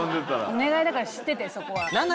お願いだから知っててそこは。